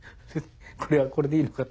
「これはこれでいいのか？」